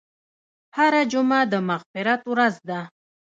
هره جمعه د مغفرت ورځ ده.